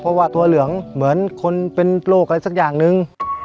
เพราะว่าตัวเหลืองเหมือนคนเป็นโรคอะไรสักอย่างนึง